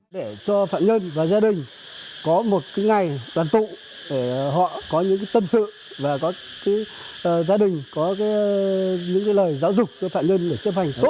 để cho phạm nhân và gia đình có một ngày đoàn tụ để họ có những tâm sự và có gia đình có những lời giáo dục cho phạm nhân để chấp hành